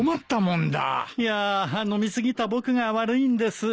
いや飲み過ぎた僕が悪いんです。